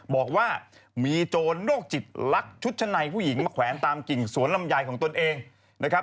บอกว่ามีโจรโรคจิตลักชุดชั้นในผู้หญิงมาแขวนตามกิ่งสวนลำไยของตนเองนะครับ